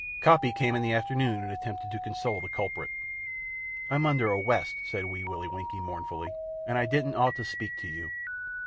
Coppy came in the afternoon and attempted to console the culprit. "I'm under awwest," said Wee Willie Winkie, mournfully, "and I didn't ought to speak to you."